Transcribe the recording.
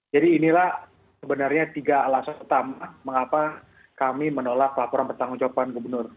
jadi inilah sebenarnya tiga alasan pertama mengapa kami menolak laporan bertanggung jawaban gubernur